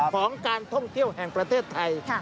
ของการท่องเที่ยวแห่งประเทศไทย